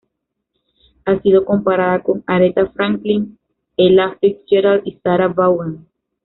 Ha sido comparada con Aretha Franklin, Ella Fitzgerald y Sarah Vaughan.